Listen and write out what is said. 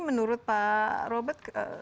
menurut pak robert